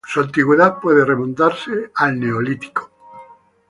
Su antigüedad puede remontarse, pues, al Neolítico.